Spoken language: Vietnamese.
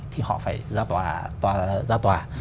thì họ phải ra tòa